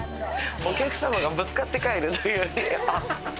お客様がぶつかって帰るっていう。